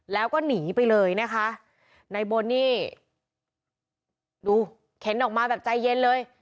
แล้วก็หนีไปเลยนะคะในบนนี่ดูเข็นออกมาแบบใจเย็นเลย